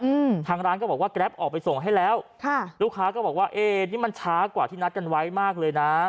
อืมทางร้านก็บอกว่าแกรปออกไปส่งให้แล้วค่ะลูกค้าก็บอกว่าเอ๊นี่มันช้ากว่าที่นัดกันไว้มากเลยนะ